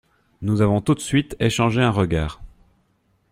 Nous avons tout de suite échangé un regard.